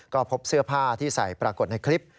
ก็พบเสื้อผ้าที่ใส่ปรากฏในคลิป